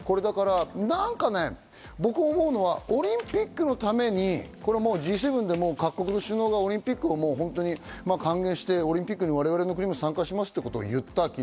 僕思うのは、オリンピックのためにＧ７でも各国首脳がオリンピックを歓迎して我々の国も参加しますと言った。